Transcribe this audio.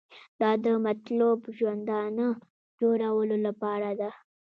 دا د مطلوب ژوندانه جوړولو لپاره ده.